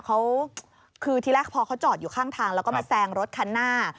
เขาคือทีแรกพอเขาจอดอยู่ข้างทางแล้วก็มาแซงรถคันหน้า